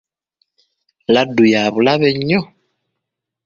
Laddu ya bulabe nnyo.